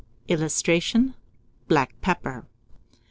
[Illustration: BLACK PEPPER.